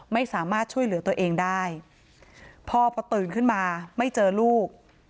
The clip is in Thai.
ไม่สามารถช่วยเหลือตัวเองได้พอพอตื่นขึ้นมาไม่เจอลูก